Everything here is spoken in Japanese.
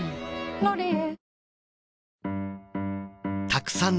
「ロリエ」